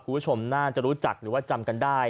คุณผู้ชมน่าจะรู้จักหรือว่าจำกันได้